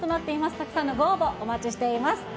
たくさんのご応募、お待ちしています。